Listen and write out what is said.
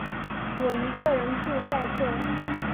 我一个人住在这